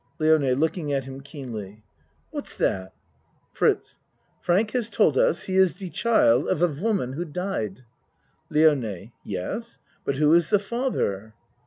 LIONE (Looking at him keenly.) What's that? FRITZ Frank has told us he is de child of a woman who died. LIONE Yes but who is the father?